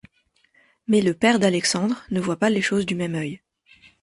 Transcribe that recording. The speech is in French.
Mais le père d'Alexandre ne voit pas les choses du même œil.